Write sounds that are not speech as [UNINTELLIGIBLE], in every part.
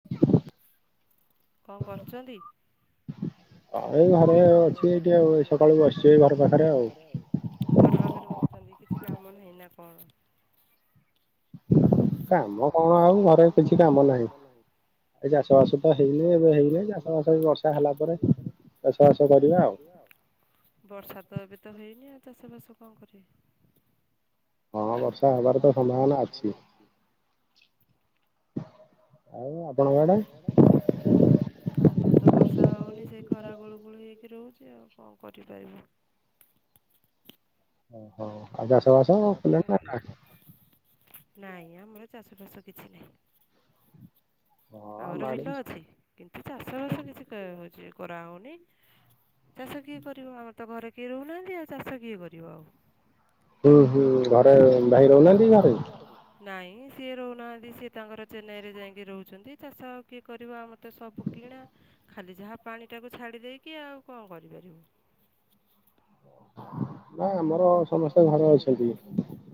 [UNINTELLIGIBLE] କଣ କରୁଛନ୍ତି? ହଁ ଏଇ ଘରେ ଅଛି ଏଇଠି ଆଉ ଏ ସକାଳୁ ବସିଛି ଏଇ ଘର ପାଖରେ ଆଉ। ଘର ପାଖରେ ବସିଛନ୍ତି କିଛି କାମ ନାହିଁ ନା କଣ? କାମ କଣ ଆଉ ଘରେ କିଛି କାମ ନାହିଁ। ଏ ଚାଷ ବାସ ତ ହେଇନି ଏବେ ହେଇନି ଚାଷ ବାସ ବର୍ଷା ହେଲା ପରେ ଚାଷ ବାସ କରିବା ଆଉ। [INAUDIBLE] ବର୍ଷା ତ ଏବେ ତ ହେଇନି ଆଉ ଚାଷ ବାସ କଣ କରିବେ। ହଁ ବର୍ଷା ହେବାର ତ ସମ୍ଭାବନା ଅଛି। [UNINTELLIGIBLE] [UNINTELLIGIBLE] ଆମର ତ ବର୍ଷା ହଉନି ସେଇ ଖରା ଗୁଳୁଗୁଳି ହେଇକି ରହୁଛି ଆଉ କଣ କରିପାରିବୁ। ଓହୋ ଆଉ ଚାଷ ବାସ [UNINTELLIGIBLE] ନାଇଁ ଆମର ଚାଷ ଫାସ କିଛି ନାହିଁ। ଆମର ବିଲ ଅଛି କିନ୍ତୁ ଚାଷ ବାସ କିଛି ହଉଛି କରାହଉନି। ଚାଷ କିଏ କରିବ ଆମର ତ ଘରେ କିଏ ରହୁନାହାନ୍ତି ଆଉ ଚାଷ କିଏ କରିବ ଆଉ। ହୁଁ ହୁଁ ଘରେ ଭାଇ ରହୁନାହାନ୍ତି କି ଘରେ। ନାଇଁ ସିଏ ରହୁନାହାନ୍ତି ସିଏ ତାଙ୍କର ଚେନ୍ନାଇ ରେ ଯାଇକି ରହୁଛନ୍ତି। ଚାଷ ଆଉ କିଏ କରିବ ଆ ମୋତେ ସବୁ କିଣା ଖାଲି ଯାହା ପାଣି ଟାକୁ ଛାଡି ଦେଇକି ଆଉ କଣ କରିପାରିବୁ? [INAUDIBLE] ନା ଆମର ସମସ୍ତେ ଘର ଅଛନ୍ତି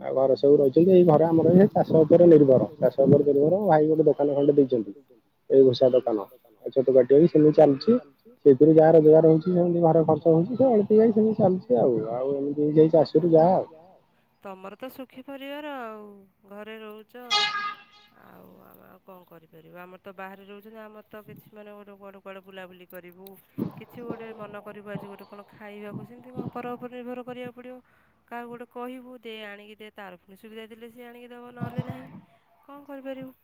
ଆ ଘର ସବୁ ରହିଛନ୍ତି ଏଇ ଘର ଆମର ଏ ଚାଷ ଉପରେ ନିର୍ଭର ଚାଶ୍ ଭାଇ ଗୋଟେ ଦୋକାନ ଖଣ୍ଡେ ଦେଇଛନ୍ତି। ଏଇ ଘୂଷା ଦୋକାନ ଆଉ ଛୋଟ କାଟିଆ ସେମିତି ଚାଲୁଛି ସେଇଥିରୁ ଯାହା ରୋଜଗାର ହଉଛି ସେମିତି ଘରେ ଖର୍ଚ୍ଚ ହଉଛି ସେ ସେଠ ଯାଇ ସେମିତି ଚାଲିଛି ଆଉ, ଆଉ ଏମିତି ହେଇ ଯାଇ ଚାଷରୁ ଯା ଆଉ। ତମର ତ ସୁଖୀ ପରିବାର ଆଉ ଘରେ ରହୁଛ। ଆଉ ଆମଉ କଣ କରିପାରିବା ଆମର ତ ବାହାରେ ରହୁଛନ୍ତି ଆମର ତ କିଛି ମାନେ ଗୋଟେ କୁଆଡେ କୁଆଡେ ବୁଲାବୁଲି କରିବୁ କିଛି ଗୋଟେ ମନ କରିବୁ ଆଜି ଗୋଟେ କଣ ଖାଇବାକୁ ସେମିତି କଣ ପର ଉପରେ ନିର୍ଭର କରିବାକୁ ପଡିବ? କାହାକୁ ଗୋଟେ କହିବୁ ଦେ ଆଣିକି ଦେ, ତାର ପୁଣି ସୁବିଧା ଦେଲେ ସିଏ ଆଣିକି ଦେବ ନହେଲେ ନାହିଁ। କଣ କରିପାରିବୁ?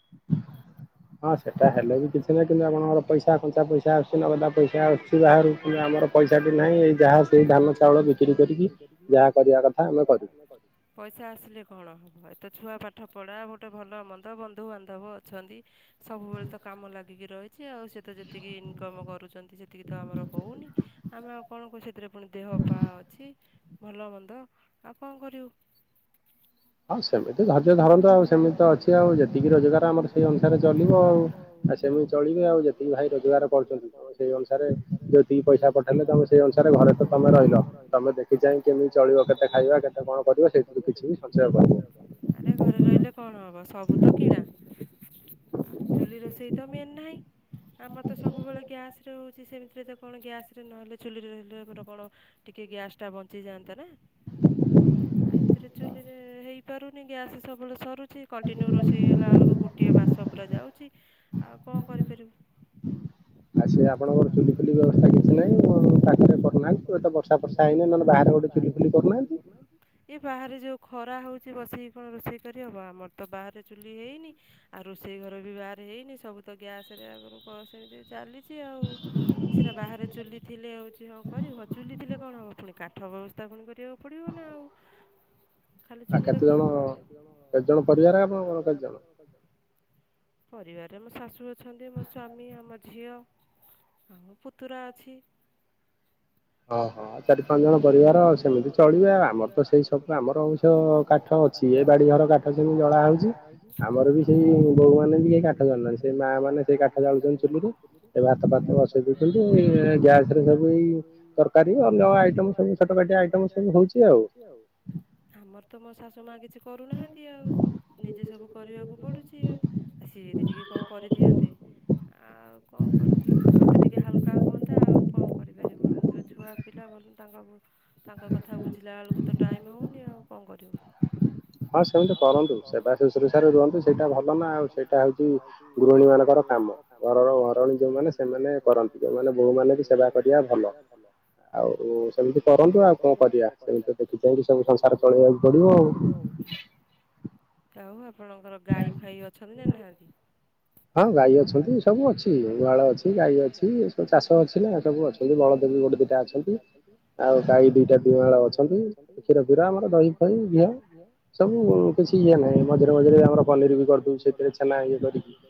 [INAUDIBLE] ହଁ ସେଇଟା ହେଲେ ବି କିଛି ନାହିଁ କିନ୍ତୁ ଆପଣଙ୍କର ପଇସା କଞ୍ଚା ପଇସା ଆସଛି ନାଗଦା ପଇସା ଆସୁଛି ବାହାରୁ କି ଆମର ପଇସାଟି ନାହିଁ ଏଇ ଯାହା ସେଇ ଧାନ ଚାଉଳ ବିକ୍ରି କରିକି, ଯାହା କରିବା କଥା ଆମେ କରୁ। [UNINTELLIGIBLE] ପଇସା ଆସିଲେ କଣ ହେବ ଏତ ଛୁଆ ପାଠ ପଢ଼ା ଗୋଟେ ଭଲ ମନ୍ଦ ବନ୍ଧୁବାନ୍ଧବ ଅଛନ୍ତି। ସବୁବେଳେ ତ କାମ ଲାଗିକି ରହିଛି ଆଉ ସେ ତ ଯେତିକି ଇନକମ କରୁଛନ୍ତି ସେତିକି ତ ଆମର ହଉନି। ଆମେ ଆ କଣ କୁ ସେଥିରେ ପୁଣି ଦେହ ପା ଅଛି, ଭଲ ମନ୍ଦ ଆଉ କଣ କରିବୁ? ହଁ ସେମିତି ଧର୍ଯ୍ୟ ଧରନ୍ତୁ ଆଉ ସେମିତି ତ ଅଛି ଆଉ ଯେତିକି ରୋଜଗାର ଆମର ସେଇ ଅନୁସାରେ ଚଲିବ ଆଉ ଆସ୍ ସେମିତି ଚଳିବେ ଆଉ ଯେତିକି ଭାଇ ରୋଜଗାର ପଢୁଛନ୍ତି ତମ ସେଇ ଅନୁସାରେ ଯେତିକି ପଇସା ହେଲେ ତମେ ସେଇ ଅନୁସାରେ ଘରେ ତମେ ରହିବ ତମେ ଦେଖିଛାଇଁ କେମିତି ଚଳିବ କେତେ ଖାଇବା କେତେ କଣ କରିବ ସେଇଥି କିଛି ବି ଶ୍ ଆରେ ଘରେ ରହିଲେ କଣ ହବ ସବୁ ତ କିଣା। ଚୁଲି ରୋଷେଇ ତ ମେନ ନାହିଁ। ଆମର ତ ସବୁବେଳେ ଗ୍ୟାସ ରେ ହଉଛି ସେମିତିରେ ତ କଣ ଗ୍ୟାସ ରେ ନହେଲେ ଚୁଲିରେ ରହିଲ ଆମର କଣ ଟିକେ ଗ୍ୟାସ ଟା ବଞ୍ଚି ଯାଆନ୍ତାନା। [INAUDIBLE] ଏମିତିରେ ଚୁଲିରେ ହେଇପାରୁନି, ଗ୍ୟାସ୍ ସବୁବେଳେ ସରୁଛି, କଣ୍ଟିନ୍ୟୁ ରୋଷେଇଗଲା ବେଳକୁ ଗୋଟିଏ ମାସ ପୁରା ଯାଉଛି ଆଉ କଣ କରିପାରିବୁ? ଆ ସେ ଆପଣଙ୍କର ଚୁଲି ଫୁଲି ବ୍ୟବସ୍ଥା କିଛି ନାହିଁ ମୁଁ ପାଖରେ କରୁନାହାନ୍ତି ଏ ତ ବର୍ଷା ଫର୍ଷା ହେଇନି ନହେଲେ ବାହାରେ ଗୋଟେ ଚୁଲିଫୁଲି କରୁନାହାନ୍ତି। ଏ ବାହାରେ ଯେଉ ଖରା ହଉଛି ବସିକି କଣ ରୋଷେଇ କରିହବ, ଆମର ତ ବାହାରେ ଚୁଲି ହେଇନି ଆଉ ରୋଷେଇ ଘର ବି ବାହାର ହେଇନି ସବୁ ତ ଗ୍ୟାସ ରେ ଆଗରୁ କ ସେମିତି ଚାଲିଛି ଆଉ। ସେଟା ବାହାରେ ଚୁଲି ଥିଲେ ଆଉଛି ହଁ କରିବ ଚୁଲି ଥିଲେ କଣ ହବ ପୁଣି କାଠ ବ୍ୟବସ୍ଥା ପୁଣି କରିବାକୁ ପଡ଼ିବ ନା ଆଉ ଖାଲି ଚୁଲି ରଖିକି କଣ କରିବ? ପରିବାର ଆପଣଙ୍କର କେତେ ଜଣ? ପରିବାରରେ ମୋ ଶାଶୁ ଅଛନ୍ତି ମୋ ସ୍ୱାମୀ ଆମ ଝିଅ ଆଉ ପୁତୁରା ଅଛି। ଓଁ ହଁ ଚାରି ପାଞ୍ଚ ଜଣ ପରିବାର ସେମିତି ଚଳିବେ ଆଉ ଆମର ତ ସେଇ ସବୁ ଆମର ଅବଶ୍ୟ କାଠ ଅ କାଠ ଅଛି, ଏ ବାଡି ଘର କାଠ ଶୁଣି ଜଳା ହଉଛି, ଆମର ବି ସେଇ ବୋଉ ମାନେ ବି ସେ କାଠ ଜାଳୁ ନାହାନ୍ତି, ସେଇ ମା ମାନେ ଆ ସେ କାଠ ଜାଳୁଛନ୍ତି ଚୁଲିରେ, ସେ ଭାତ ଫାତ ବସେଇଦେଉଛନ୍ତି, ଗ୍ୟାସରେ ସବୁ ଅଲଗା ଆଇଟମ ସବୁ ଛୋଟକାଟିଆ ଆଇଟମ ସବୁ ହଉଛି ଆଉ। ଆମର ତ ମୋ ଶାଶୁ ମା କିଛି କରୁନାହାନ୍ତି ଆଉ। ନିଜେ ସବୁ କରିବାକୁ ପଡୁଛି ଆଉ ସିଏ ଯଦି ଟିକେ କଣ କରିଦିଅନ୍ତେ ଆଉ କଣ କରନ୍ତେ, ମତେ ଟିକେ ହାଲକା ହୁଅନ୍ତା ଆଉ କଣ କରିପାରିବୁ ଏମିତିରେ ଛୁଆ ପିଲା ଭଲ ତାଙ୍କ କ ତାଙ୍କ କଥା ବୁଝିଲା ବେଳକୁ ତ ଟାଇମ୍ ହେଉନି, ଆଉ କଣ କରିବୁ? ହଁ ସେମିତି କରନ୍ତୁ ସେଟା [UNINTELLIGIBLE] ରୁହନ୍ତୁ ସେଇଟା ଭଲ ନା ଆଉ ସେଇଟା ହଉଛି ଗୃହିଣୀ ମାନଙ୍କର ଆମ ଘରର ଘରଣୀ ଯୋଉମାନେ ସେମାନେ କରନ୍ତି ମାନେ ବୋହୁ ମାନେବି ସେବା କରିବା ଭଲ। ଆଉ ସେମିତି କରନ୍ତୁ ଆଉ କଣ କରିବା ସେମିତି ଦେଖି ଚାହିଁ ସବୁ ସଂସାର ଚଳେଇବାକୁ ପଡିବ ଆଉ। ଆାଉ ଆପଣଙ୍କର ଗାଈ ଫାଇ ଅଛନ୍ତି ନା ନାହାନ୍ତି। ହଁ ଗାଈ ଅଛନ୍ତି, ସବୁ ଅଛି ଗୁହାଳ ଅଛି, ଗାଈ ଅଛି ସବୁ ଚାଷ ଅଛି ନା ସବୁ ଅଛି। ଏଇ ଯୋଉ ବଳଦବି ଗୋଟେ ଦିଟା ଅଛନ୍ତି। ଟା ଅଛନ୍ତି ଆଉ ଗାଈ ଦୁଇଟା ଦୁଆଳ ଅଛନ୍ତି, କ୍ଷୀର ଫିର ଆମର ଦହି ଫଇ ଘିଅ ସବୁ କିଛି ଇଏ ନାହିଁ ମଝିରେ ମଝିରେ ଆମର ପନିର ବି କରିଦବୁ ସେଥିରେ ଛେନା ଇଏ କରିକି।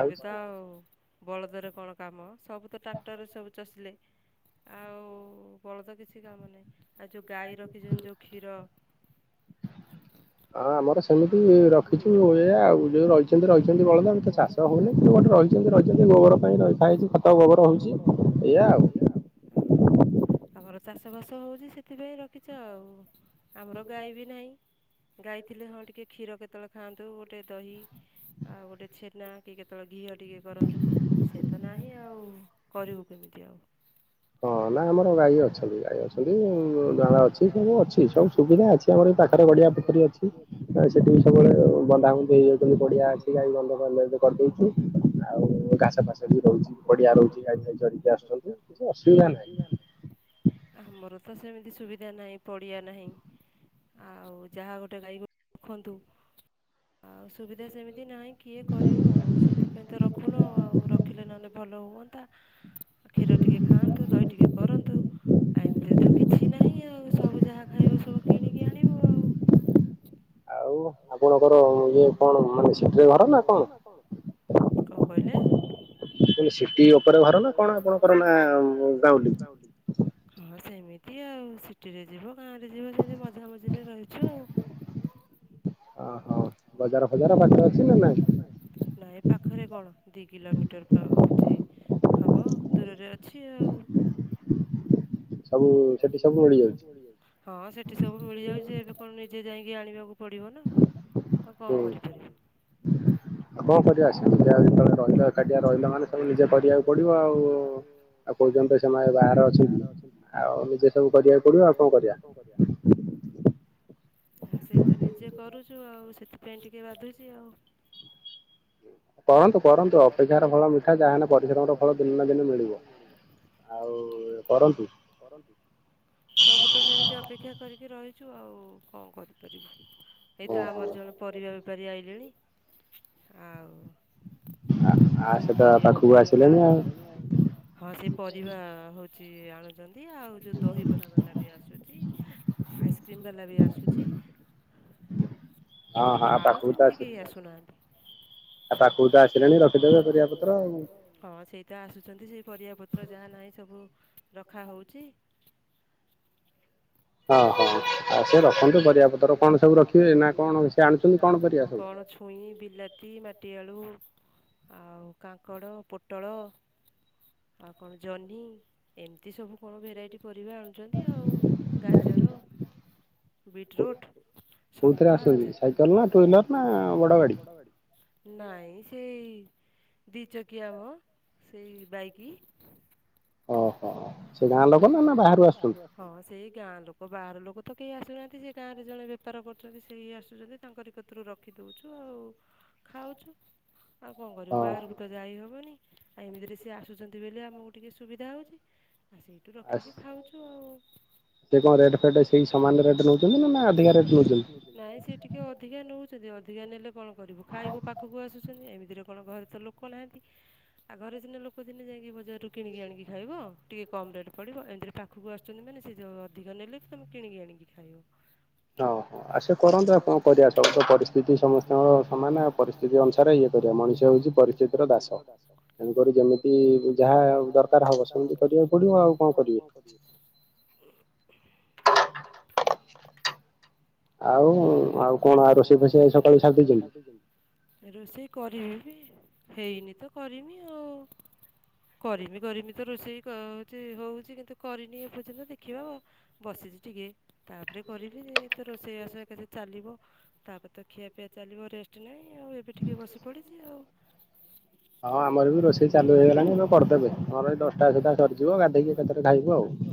ଏବେ ତ ଆଉ ବଳଦରେ କଣ କାମ ସବୁ ତ ଟ୍ରାକ୍ଟରରେ ସବୁ ଚଷିଲେ। ଆଉ ବଳଦ କିଛି କାମ ନାହିଁ। ଆଉ ଯୋଉ ଗାଈ ରଖିଛନ୍ତି ଯୋଉ କ୍ଷୀର। ହଁ ଆମର ସେମିତି ରଖିଛୁ ଏଇଆଉ ଯୋଉ ରହିଛନ୍ତି ରହିଛନ୍ତି ବଳଦ ଆମର ତ ଚାଷ ଚାଷ ହଉନି ଯେ ଗୋଟେ ରହିଛନ୍ତି ରହିଛନ୍ତି ଗୋବର ପାଇଁ ରହିଥାହିକି ଖତ ଗୋବର ହେଉଛି ଏଇଆ ଆଉ। ଓହୋ ଆମର ଚାଷବାସ ହଉଛି ସେଥିପାଇଁ ରଖିଛ ଆଉ। ଆମର ଗାଈ ବି ନାହିଁ। ଗାଈଥିଲେ ହଁ ଟିକେ କ୍ଷୀର କେତେବେଳେ ଖାଆନ୍ତୁ ଗୋଟେ ଦହି ଆଉ ଗୋଟେ ଛେନା କି କେତେବେଳେ ଘିଅ ଟିକେ କରନ୍ତୁ ସେ ତ ନାହିଁ ଆଉ କରିବୁ କେମିତି ଆଉ। ହଁ ନା ଆମର ଗାଈ ଅଛନ୍ତି ଗାଈ ଅଛନ୍ତି ଗୁହାଳା ଅଛି ସବୁ ଅଛି ସବୁ ସୁବିଧା ଅଛି। ଆମର ପାଖରେ ଗଡିଆ ପୋଖରୀ ଅଛି ସେଠି ବି ସବୁବେଳେ ବନ୍ଧା ବନ୍ଧି ହେଇଯାଉଛନ୍ତି ପଡିଆ ଅଛି ଗାଈ ବନ୍ଧକ କରିଦେଇଚୁ ଆଉ ଘାସ ଫାସ ବି ରହୁଛି ପଡିଆ ରହୁଛି ଗାଈ ଫାଇ ଚରିକି ଆସୁଛନ୍ତି, କିଛି ଅ ଆମର ତ ସେମିତି ସୁବିଧା ନାହିଁ ପଡିଆ ନାହିଁ। ଆଉ ଯାହା ଗୋଟେ ଗାଈ ଗୋରୁ ରଖନ୍ତୁ। ଆଉ ସୁବିଧା ସେମିତି ନାହିଁ କିଏ କରିବ ଆଉ ସେଥିପାଇଁ ତ ରଖୁନୁ ଆଉ ରଖିଲେ ନହେଲେ ଭଲ ହୁଅନ୍ତା, କ୍ଷୀର ଟିକେ ଖାଆନ୍ତୁ ଦହି ଟିକେ କରନ୍ତୁ। ଆଉ ଏମିତିରେ ତ କିଛି ନାହିଁ ଆଉ ସବୁ ଯାହା ଖାଇବ ସବୁ କିଣିକି ଆଣିବୁ ଆଉ। ଆଉ ଆପଣଙ୍କର ଇଏ କଣ ମାନେ ସିଫ୍ଟ ରେ ଘର ନା କଣ? କଣ କହିଲେ? ସିଟି ଉପରେ ଘର ନା କଣ ଆପଣଙ୍କର ନା ଗାଉଁଲି? [INAUDIBLE] ହଁ ସେମିତି ଆଉ ସିଟିରେ ଯିବ ଗାଁ ରେ ଯିବ ସେମିତି ମଝାମଝିରେ ରହିଛୁ ଆଉ। ହ ହଁ ବଜାର ଫଜାର ପାଖରେ ଅଛି ନା ନାଇଁ? ନାଇ ଏ ପାଖରେ କଣ ଦି କିଲୋମିଟର ପା ହଉଛି ହବ ଦୂରରେ ଅଛି ଆଉ। ସବୁ ସେଠି ସବୁ ମିଳି ଯାଉଛି। ହଁ ସେଠି ସବୁ ମିଳିଯାଉଛି ଏବେ କଣ ନିଜେ ଯାଇକି ଆଣିବାକୁ ପଡିବ ନା। ଆଉ କଣ କରିପାରିବୁ। [INAUDIBLE] ଆଉ କଣ କରିବା ସେମିତି ଆଉ ଯେତେବେଳେ ରହିଲ ଏକାଟିଆ ରହିଲ ମାନେ ସବୁ ନିଜେ କରିବାକୁ ପଡିବ ଆଉ। ପର୍ଯ୍ୟନ୍ତ ସେମାନେ ବାହାରେ ଅଛନ୍ତି, ଆଉ ନିଜେ ସବୁ କରିବାକୁ ପଡିବ ଆଉ କଣ କରିବା। ଆ ସେଇ ତ ନିଜେ କରୁ ଚୁ ଆଉ ସେଥିପାଇଁ ଟିକେ ବାଧୁଛି ଆଉ। କରନ୍ତୁ କରନ୍ତୁ ଅପେକ୍ଷାର ଫଳ ମିଠା, ଯାହାହେଲେ ପରିଶ୍ରମର ଫଳ ଦିନେ ନା ଦିନେ ମିଳିବ। ଆଉ କରନ୍ତୁ। ସବୁ ତ ସେମିତି ଅପେକ୍ଷା କରିକି ରହିଛୁ ଆଉ କଣ କରିପାରିବୁ। ହେଇତ ଆମର ଜଣେ ପରିବା ବେପାରୀ ଆଇଲେଣି ଆଉ ଯାହା ପରିବା ପୁଣି ରଖା ହବ। ହଁ ସେ ପରିବା ହଉଛି ଆଣୁଛନ୍ତି ଆଉ ଯୋଉ ଦହିବରା ବାଲା ବି ଆସୁଛି। ଆଇସ୍କ୍ରିମ ବାଲା ବି ଆସୁଛି। ହଁ ହଁ ଆଉ ପାଖୁକୁ ତ ଆସୁଛି। ଆସୁନାହାନ୍ତି। ଆଉ ପାଖକୁ ତ ଆସିଲେଣି ରଖିଦେବେ ପରିବାପତ୍ର ଆଉ। ହଁ ସେଇ ତ ଆସୁଛନ୍ତି ସେଇ ପରିବାପତ୍ର ଯାହା ନାହିଁ ସବୁ ରଖାହଉଛି। ହଁ ହଁ ଆଉ ସେ ରଖନ୍ତୁ ପରିବାପତ୍ର କଣ ସବୁ ରଖିବେ ନା କଣ ସେ ଆଣୁଛନ୍ତି କଣ କରିବା ସବୁ? ଆ ଛୁଇଁ, ବିଲାତି, ମାଟି ଆଳୁ। ଆଉ କାଙ୍କଡ଼, ପୋଟଳ, ଆଉ କଣ ଜହ୍ନି। ଏମିତି ସବୁ କଣ ଭେରାଇଟି ପରିବା ଆଣୁଛନ୍ତି ଆଉ ଗାଜର। ବିଟ୍ରୁଟ୍ ସ ସାଇକେଲ ନା ଟୁ ହିଲର୍ ନା ବଡ଼ ଗାଡ଼ି? ନାଇ ସେଇ ଦି ଚକିଆ ମ ସେଇ ବାଇକି। ଓହୋ ସେ ଗାଁ ଲୋକ ନା ନା ବାହାରୁ ଆସୁଚୁ? ହଁ ସେଇ ଗାଁ ଲୋକ ବାହାର ଲୋକ ତ କେହି ଆସୁନାହାନ୍ତି ସେ ଗାଁ ରେ ଜଣେ ବେପାର କରୁଛନ୍ତି। ସେଇ ଆସୁଛନ୍ତି ତାଙ୍କରିକଥିରୁ ରଖିଦଉଛୁ ଆଉ ଖାଉଛୁ ଆଉ କଣ କରିବୁ ବାହାରକୁ ତ ଯାଇ ହବନି। ଆଉ ଏମିତିରେ ସିଏ ଆସୁଛନ୍ତି ବୋଲି ଆମକୁ ଟିକେ ସୁବିଧା ହଉଚି। ସେଇଠୁ ରଖିକି ଖାଉଛୁ ଆଉ। ସେ କଣ ରେଟ ଫେଟ୍ ସେଇ ସମାନ ରେଟ ନେଉଛନ୍ତି ନା ଅଧିକା ରେଟ ନଉଛନ୍ତି? ନାଇଁ ସେ ଟିକେ ଅଧିକା ନେଉଛନ୍ତି ଅଧିକା ନେଲେ କଣ କରିବୁ ଖାଇବୁ ପାଖକୁ ଆସୁଛନ୍ତି ଏମିତିରେ କଣ ଘରେ ଥିଲୁ କ ନାହାନ୍ତି। ଆଉ ଘରେ ଦିନେ ଲୋକ ଦିନେ ଯାଇକି ବଜାର ରରୁ କିଣିକି ଆଣିକି ଖାଇବୁ, ଟିକେ କମ ରେଟ ପଡିବ ଏମିତି ପାଖକୁ ଆସୁଛନ୍ତି ମାନେ ସେ ଯେ ଅଧିକ ନେଲେ ତୁମେ କିଣିକି ଆଣିକି ଖାଇବ। ହଁ ହଁ ଆସ କରନ୍ତୁ ଆଉ କଣ କରିବା ସବୁ ପରିସ୍ଥିତି ସମସ୍ତଙ୍କ ସମାନ ପରିସ୍ଥିତି ଅନ କିଛି ଅନୁସାରେ ଇଏ କରିବା ମଣିଷ ହେଉଛି ପରିସ୍ଥିତିର ଦାସ, ତେଣୁକରି ଯେମିତି ଯାହା ଦରକାର ହବ ସେମିତି କରିବାକୁ ପଡିବ ଆଉ କଣ କରିବେ। ଆଉ ଆଉ କଣଉ ରୋଷେଇ ଫୋଷେଇ ସକାଳୁ ସାରିଦ ଦେଇଛନ୍ତି? ରୋଷେଇ କରିବି ବି ହେଇନି ତ କରିନି ଆଉ। କରିବି କରିମି ତ ରୋଷେଇଛି ହଉଛି କିନ୍ତୁ କରିନି ଏପର୍ଯ୍ୟନ୍ତ ଦେଖିବା ଆ ବସିଛି ଟିକେ ତାପରେ କରିବି। ତ ରୋଷେଇବାସ ଏକଥେ ଚାଲିବ ତାପରେ ତ ଖିଆପିଆ ଚାଲିବ ରେଷ୍ଟ ନାହିଁ ଆଉ ଏବେ ଟିକିେ ବସି ପଡ଼ିଚି। [UNINTELLIGIBLE] ହଁ ଆମର ବି ରୋଷେଇ ଚାଲୁ ହେଇଗଲାଣି କରିଦବ, ଘର ଏ ଦଶଟା ସୁଦ୍ଧା ସରିଯିବ ଗାଧକି ଏକେଥରେ ଖାଇବୁ ଆଉ।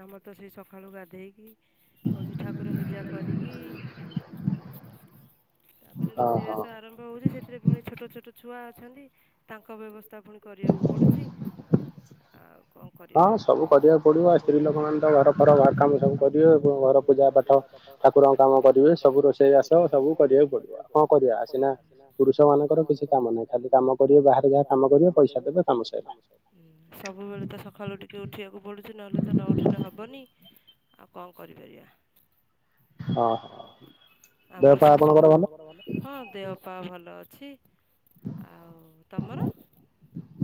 ଆମର ତ ସେ ସକାଳୁ ଗାଧେଇକି ଠାକୁର ପୂଜା କରିକି ରୁଷେଇ ବାସ ଆରମ୍ଭ ହଉଛି ସେଥିରେପୁଣି ଛୋଟ ଛୋଟ ଛୁଆ ଅଛନ୍ତି ତାଙ୍କ ବ୍ୟବସ୍ଥା ପୁଣି କରିବାକୁ ପଡ଼ୁଚି। ଆଉ କଣ କରିବା ହଁ ସବୁ କରିବାକୁ ପଡିବ, ଆଉ ସ୍ତ୍ରୀ ଲୋକମାନେ ତ ଘର ବାହାର କାମ କାମ କରିବେ। ପୂଜା ପାଠ ଠାକୁରଙ୍କ କାମ କରିବେ ସବୁ ରୋଷେଇ ବାସ ସବୁ କରିବାକୁ ପଡିବ କଣ। କରିବା ସିନା ପୁରୁଷ ମାନଙ୍କର କିଛି କାମ ନାହିଁ ଖାଲି କାମ କରିବେ ବାହାରେ ଯାହା କାମ କରିବେ ପଇସା ଦେବେ କାମ ସରଲା। ସବୁବେଳେ ତ ଖଳୁ ଟିକେ ଉଠିବାକୁ ପଡ଼ୁଛି ନହେଲେ ତ ନ ଉଠି ନ ହେବନି ଆଉ କଣ କରିପାରିବା। ହଁ। ଆମର ଶାଶୁ ମା ହଁ ଦେହପା ଭଲ ଅଛି। ଆଉ ତମର?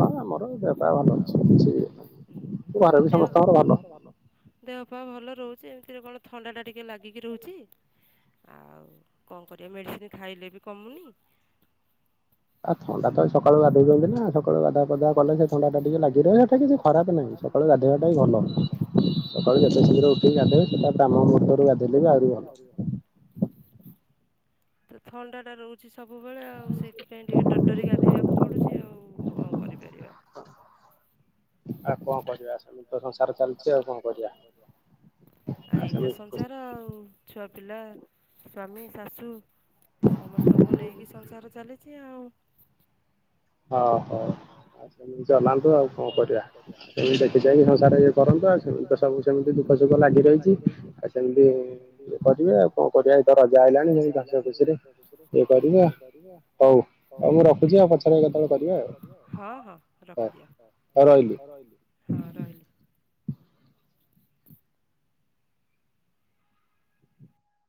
[UNINTELLIGIBLE] ଦେହ ପାହ ଭଲ ରହୁଛି ଏମିତିରେ କଣ ଥଣ୍ଡାଟା ଟିକିଏ ଲାଗିକି ରହୁଚି। ଆଉ କଣ କରିବା ମେଡ଼ିସିନ ଖାଇଲେ ବି କମୁନି। ଆଉ ଥଣ୍ଡା ତ ସକାଳୁ ବାଧି ଯଉି ନା ସକାଳୁ ଗାଧୁଆ ପାଧୁଆ କଲେ ସେ ଥଣ୍ଡା ଟିକେ ଲାଗି ରହେ। ବିରାଇଟା କିଛି ଖରାପ ନ ନାହିଁ ସେତେବେଳେ ରାଧୋଇବାଟା ହି ଭଲ। ଳେ ଯେତେ ଶୀଘ୍ର ଉଠି ଗାଧେଇବେ ସେଟା ବ୍ରାମ ମୁହୁର୍ତ ଗାଧେଇଲେ ବି ଆଉରି ଭ ତ ଥଣ୍ଡା ଟା ରହୁ ଅଛି ସବୁବେଳେ ଆଉ ସେଇଥିପାଇଁ ଟିକେ ଡରିଡରି ଗାଧୋଇବାକୁ ପଡ଼ୁଚି, ଆଉ କଣ କରିପାରିବା? [UNINTELLIGIBLE] ଆଉ କଣ କରିବା ସେମିତି ସଂସାର ଚାଲିଚି ଆଉ କଣ କରିବା? ଆ ଏଇତ ସଂସାର ଆଉ ଛୁଆ ପିଲା, ସ୍ଵାମି, ଶାଶୁ। ସମସ୍ତଙ୍କୁ ନେଇକି ସଂସାର ଚାଲିଛି ଆଉ। ହଁ ହୁଁ ସେମିତି ଚଲାନ୍ତୁ ଆଉ କଣ କରିବା। ସେମିତି ଦେଖି ଜାକି ସଂସାରା ଇଏ କରନ୍ତୁ ଆଉ ସେମତି ସବୁ ସେମିତି ଦୁଃଖ ସୁଖ ଲାଗି। ହେଇଛି ସେମିତି ଇଏ କରିବେ ଆଉ କଣ କରିବା ଏ ତ ରଜ ଆଇଲାଣି ସ ହସ ଖୁସିରେ। ଖୁସିରେ ଇଏ କରିବା। ହଉ, ହଉ ମୁଁ ରଖୁଛି ଆଉ ପଛ। ଦିଅ ପଛରେ କେତେବେଳେ କରିବ। ହଁ ହଁ ରଖିଦିଅ। ହଁ ରହିଲି। ହଁ ରହିଲି।